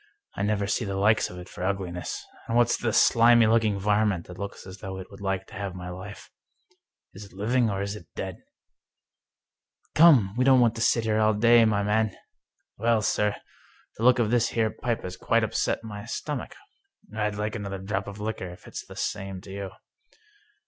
I never see the like of it for ugliness. And what's the slimy looking varmint that looks as though it would like to have my life ? Is it living, or is it dead ?"" Come, we don't want to sit here all day, my man !"" Well, sir, the look of this here pipe has quite upset my stomach. I'd like another drop of liquor, if it's the same to you."